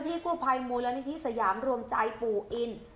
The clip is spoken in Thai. กู้ภัยมูลนิธิสยามรวมใจปู่อิน